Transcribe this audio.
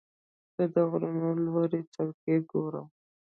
زه د غرونو لوړې څوکې ګورم.